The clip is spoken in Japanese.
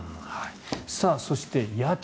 そして家賃。